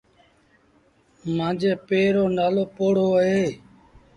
مآݩجي پي رو نآلو پوهوڙو اهي۔